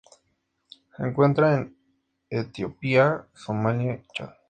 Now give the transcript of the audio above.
Se encuentra en Etiopía, Somalia y Chad.